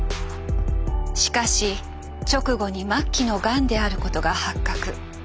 しかし直後に末期のガンであることが発覚。